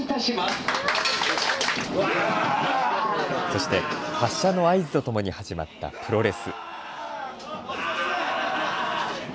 そして発車の合図とともに始まったプロレス。